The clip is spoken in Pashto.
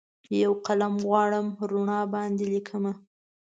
یوقلم غواړم روڼا باندې لیکمه